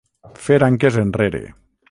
Fer anques enrere.